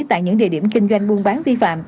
tại những địa điểm kinh doanh buôn bán vi phạm